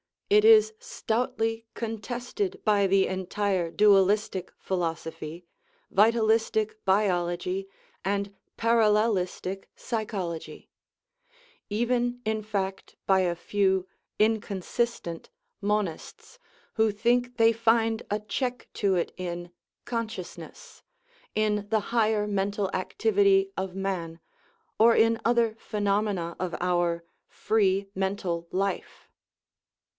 It is stoutly contested by the entire dual istic philosophy, vitalistic biology, and parallelistic psychology ; even, in fact, by a few (inconsistent) mon ists, who think they find a check to it in " conscious ness," in the higher mental activity of man, or in other phenomena of our "free mental life."